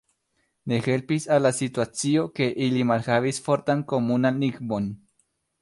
Ne helpis al la situacio, ke ili malhavis fortan komunan lingvon.